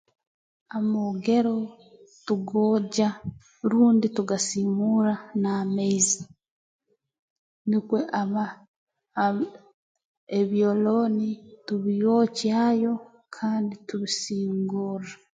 Amoogero tugogya rundi tugasiimuura n'amaizi nukwo aba aba ebyolooni tubyokyayo kandi tubisingorra